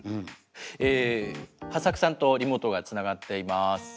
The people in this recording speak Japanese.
はっさくさんとリモートがつながっています。